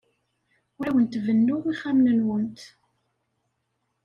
Ur awent-bennuɣ ixxamen-nwent.